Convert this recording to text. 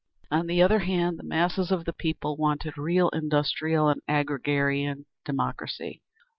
On the other hand, the masses of the people wanted real industrial and agrarian democracy.